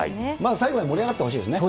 最後まで盛り上がってほしいですね。